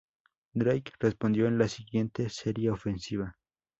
Drake respondió en la siguiente serie ofensiva.